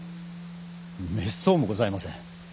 めっそうもございません。